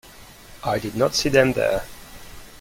I did not see them there.